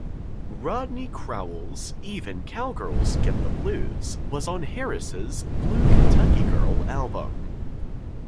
Rodney Crowell's "Even Cowgirls Get the Blues" was on Harris' "Blue Kentucky Girl" album.